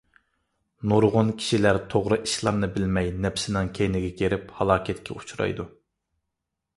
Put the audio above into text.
نۇرغۇن كىشىلەر توغرا ئىشلارنى بىلمەي نەپسىنىڭ كەينىگە كىرىپ، ھالاكەتكە ئۇچرايدۇ.